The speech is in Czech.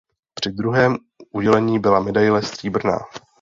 Při druhém udělení byla medaile stříbrná.